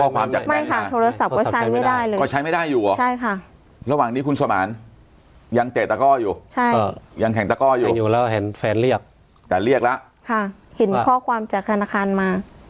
๑๐นาทีนี่คือก่อนที่ว่าข้อความจะมา